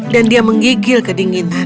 dan dia menggigil kedinginan